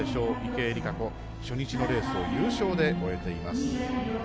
池江璃花子初日のレースを優勝で終えています。